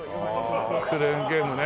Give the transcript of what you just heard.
クレーンゲームね。